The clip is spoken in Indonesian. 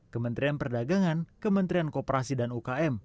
kementerian perdagangan kementerian kooperasi dan ukm